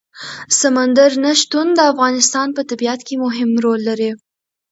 سمندر نه شتون د افغانستان په طبیعت کې مهم رول لري.